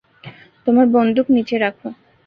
তোমার বন্দুক নিচে রাখো!